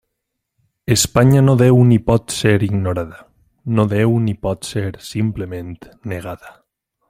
Espanya no deu ni pot ser ignorada, no deu ni pot ser —simplement— negada.